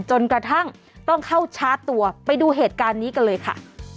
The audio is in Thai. จนกระทั่งต้องเข้าชาร์จตัวไปดูเหตุการณ์นี้กันเลยค่ะ